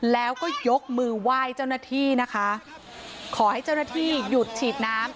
แล้วก็ยกมือไหว้เจ้าหน้าที่นะคะขอให้เจ้าหน้าที่หยุดฉีดน้ำ